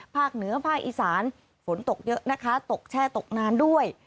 เหนือภาคอีสานฝนตกเยอะนะคะตกแช่ตกนานด้วย